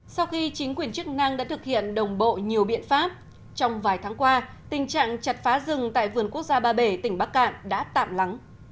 sau khi chính quyền chức năng đã thực hiện đồng bộ nhiều biện pháp trong vài tháng qua tình trạng chặt phá rừng tại vườn quốc gia ba bể tỉnh bắc cạn đã tạm lắng